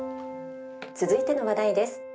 「続いての話題です。